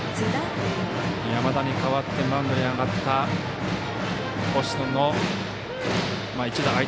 山田に代わってマウンドに上がった星野の一打。